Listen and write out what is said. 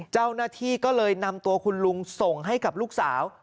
เจ้าหน้าที่ก็เลยนำตัวคุณลุงส่งให้กับลูกสาว